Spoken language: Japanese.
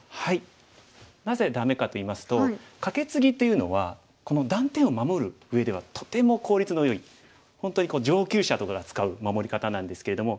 なぜダメかといいますとカケツギというのはこの断点を守るうえではとても効率のよい本当に上級者とかが使う守り方なんですけれども。